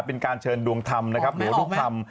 เป็นการเชิญดวงธรรมนะครับโหลดุครรม